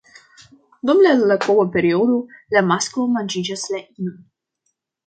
Dum la kova periodo, la masklo manĝigas la inon.